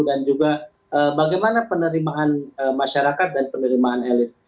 dan juga bagaimana penerimaan masyarakat dan penerimaan elit